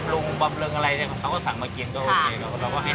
พร้อมบำรุงอะไรเขาก็สั่งมาเก่งก็โอเคเราก็ให้สั่งนึกมาเถิน